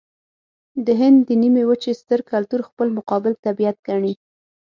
د هند د نيمې وچې ستر کلتور خپل مقابل طبیعت ګڼي.